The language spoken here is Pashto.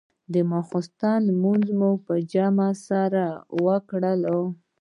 د ماخستن لمونځونه مو په جمع سره وکړل.